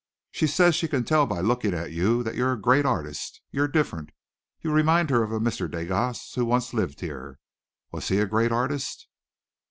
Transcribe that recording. She says she can tell by looking at you that you're a great artist. You're different. You remind her of a Mr. Degas that once lived here. Was he a great artist?"